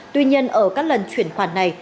tuy nhiên ở các lần chuyển khoản này